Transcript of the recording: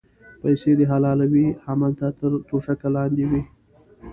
پیسې دې حلالې وې هملته تر توشکه لاندې وې.